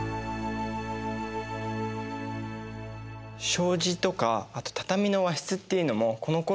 障子とかあと畳の和室っていうのもこのころに生まれたんだね。